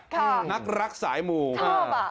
เค้านักรักสายหมูใจเหมือนกลุ่มอ่ะ